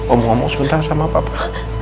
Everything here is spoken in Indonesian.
omong omong sebentar sama papa